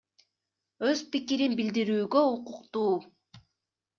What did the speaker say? Өз пикирин билдирүүгө укуктуу.